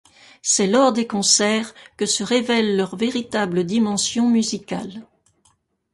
C’est lors des concerts que se révèle leur véritable dimension musicale.